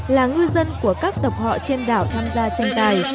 là ngư dân của các tộc họ trên đảo tham gia tranh tài